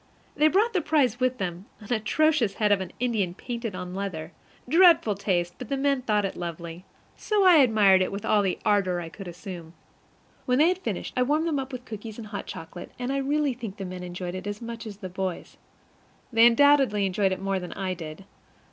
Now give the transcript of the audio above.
They brought the prize with them an atrocious head of an Indian painted on leather. Dreadful taste; but the men thought it lovely, so I admired it with all the ardor I could assume. When they had finished, I warmed them up with cookies and hot chocolate, and I really think the men enjoyed it as much as the boys; they undoubtedly enjoyed it more than I did.